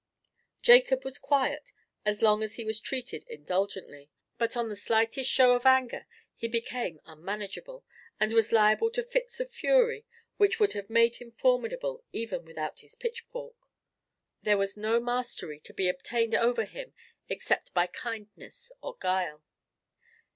Jacob was quiet as long as he was treated indulgently; but on the slightest show of anger, he became unmanageable, and was liable to fits of fury which would have made him formidable even without his pitchfork. There was no mastery to be obtained over him except by kindness or guile.